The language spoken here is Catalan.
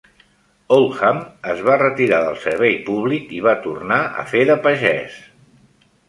Oldham es va retirar del servei públic i va tornar a fer de pagès.